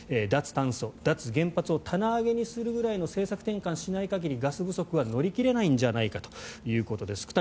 脱炭素、脱原発を棚上げにするくらいの政策転換をしない限りガス不足は乗り切れないんじゃないかということです。